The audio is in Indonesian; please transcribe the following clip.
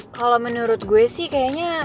kalau menurut gue sih kayaknya